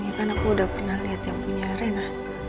karena aku udah pernah liat yang punya rena